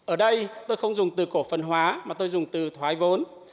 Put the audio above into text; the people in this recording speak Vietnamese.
ở đây tôi không dùng từ cổ phần hóa mà tôi dùng từ thoái vốn